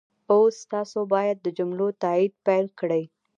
اوس تاسو باید د جملو تایید پيل کړئ.